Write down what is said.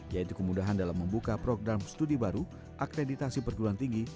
yaitu kemudahan dalam membuka program studi baru akreditasi perguruan tinggi